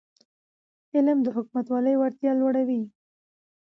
علم د حکومتولی وړتیا لوړوي.